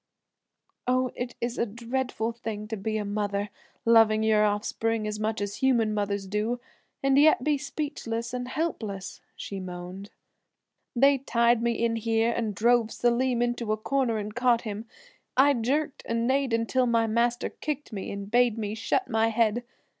"Oh, it is a dreadful thing to be a mother, loving your offspring as much as human mothers do, and yet be speechless and helpless," she moaned. "They tied me in here and drove Selim into a corner and caught him. I jerked and neighed until master kicked me and bade me shut my head.